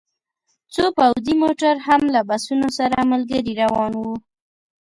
څو پوځي موټر هم له بسونو سره ملګري روان وو